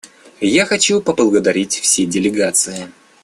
Я хочу поблагодарить все делегации.